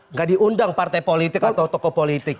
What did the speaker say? nggak diundang partai politik atau tokoh politik